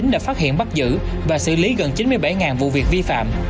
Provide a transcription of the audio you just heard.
đã phát hiện bắt giữ và xử lý gần chín mươi bảy vụ việc vi phạm